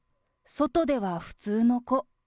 外では普通の子。